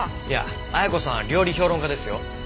いや綾子さんは料理評論家ですよ？